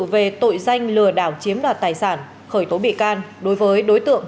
về tội danh lừa đảo chiếm đoạt tài sản khởi tố bị can đối với đối tượng